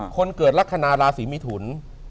คนเกิดลักษณะราศีมิถุน